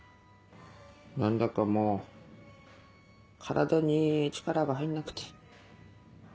何だかもう体に力が入んなくて。